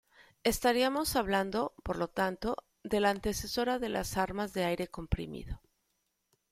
Estaríamos hablando, por lo tanto, de la antecesora de las armas de aire comprimido.